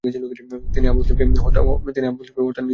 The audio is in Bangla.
তিনি আবু মুসলিমকে হত্যার নির্দেশ দেন।